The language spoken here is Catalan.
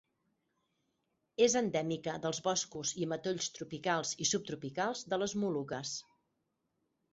És endèmica dels boscos i matolls tropicals i subtropicals de les Moluques.